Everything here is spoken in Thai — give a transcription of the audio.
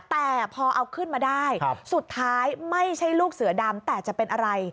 แต่พอเอาขึ้นมาได้สุดท้ายไม่ใช่ลูกเสือดำแต่จะเป็นอะไร